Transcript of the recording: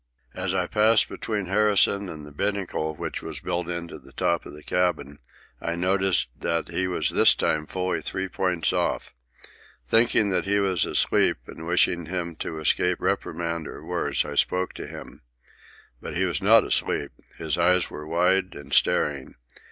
As I passed between Harrison and the binnacle, which was built into the top of the cabin, I noticed that he was this time fully three points off. Thinking that he was asleep, and wishing him to escape reprimand or worse, I spoke to him. But he was not asleep. His eyes were wide and staring.